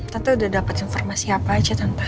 tentah udah dapat informasi apa aja tentah